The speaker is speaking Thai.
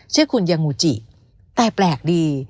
ชื่อคุณยามูจิแต่แปลกดี